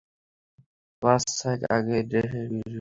মাস ছয়েক আগে স্কুলের ড্রেস বানাতে রিসা মায়ের সঙ্গে গিয়েছিল দরজির কাছে।